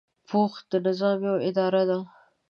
پوځ د نظام یوه اداره ده.